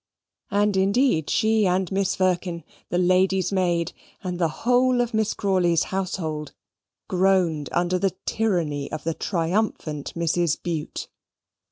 And, indeed, she and Mrs. Firkin, the lady's maid, and the whole of Miss Crawley's household, groaned under the tyranny of the triumphant Mrs. Bute.